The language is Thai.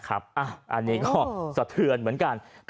อันนี้ก็สะเทือนเหมือนกัน